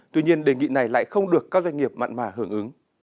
tuy nhiên đề nghị này lại không được các doanh nghiệp mặn mà hưởng ứng